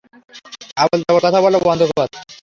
আবল-তাবল কথা বলা বন্ধ কর।